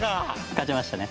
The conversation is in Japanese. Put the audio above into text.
勝ちましたね。